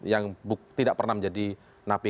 yang tidak pernah menjadi napi